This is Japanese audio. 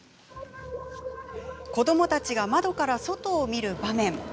子どもたちが窓から外を見る場面。